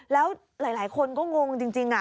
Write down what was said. แล้วหลายคนก็งงจริง